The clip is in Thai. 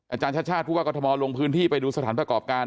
อาจารย์ชาติชาติผู้ว่ากรทมลงพื้นที่ไปดูสถานประกอบการ